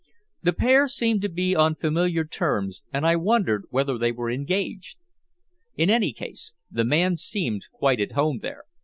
The pair seemed to be on familiar terms, and I wondered whether they were engaged. In any case, the man seemed quite at home there.